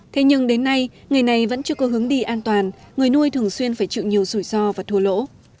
thế nhưng đến nay nghề này vẫn chưa có hướng đi an toàn người nuôi thường xuyên phải chịu nhiều rủi ro và thua lỗ